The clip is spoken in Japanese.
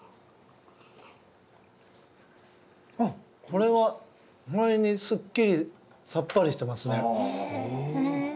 これは意外にすっきりさっぱりしてますね。